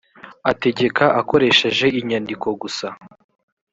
ategeka akoresheje inyandiko gusa